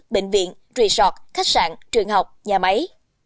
bệnh viện resort khách sạn truyền học nhà máy